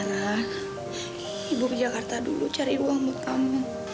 lara ibu ke jakarta dulu cari uang buat kamu